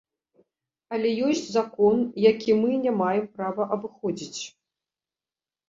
Але ёсць закон, які мы не маем права абыходзіць.